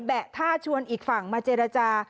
ท่าชวนอีกฝั่งมาเจรจา